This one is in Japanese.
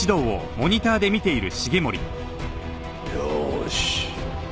よーし。